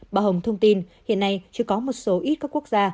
bà hồng thông tin hiện nay chưa có một số ít các quốc gia